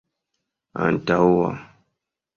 antaŭa